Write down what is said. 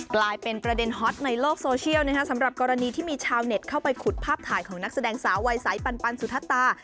กลายเป็นประเด็นฮอตในโลกโซเชียลสำหรับกรณีที่มีชาวเน็ตเข้าไปขุดภาพถ่ายของนักแสดงสาววัยสายปันสุธตา